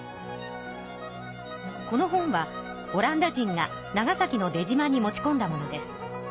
この本はオランダ人が長崎の出島に持ちこんだものです。